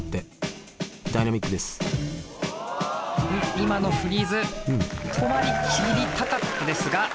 今のフリーズ止まりきりたかったですが。